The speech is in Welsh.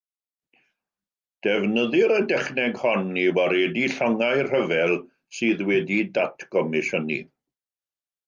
Defnyddir y dechneg hon i waredu llongau rhyfel sydd wedi'u datgomisiynu.